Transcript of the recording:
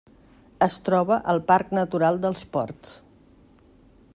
Es troba al Parc Natural dels Ports.